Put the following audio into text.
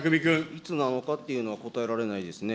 いつなのかというのは答えられないですね。